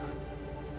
orang murah cepet pergi